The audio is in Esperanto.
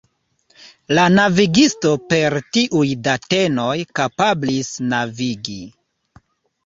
La navigisto per tiuj datenoj kapablis navigi.